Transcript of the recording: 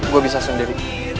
gue bisa sendiri